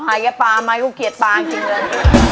ไม่ใช่ปลาไหมกูเกลียดปลาจริงเลย